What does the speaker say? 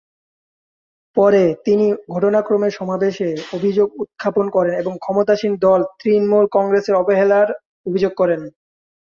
পরে, তিনি ঘটনাক্রমে সমাবেশে অভিযোগ উত্থাপন করেন এবং ক্ষমতাসীন দল তৃণমূল কংগ্রেসের অবহেলার অভিযোগ করেন।